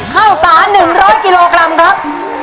เข้าก่อน๑๐๐กิโลกรัมครับ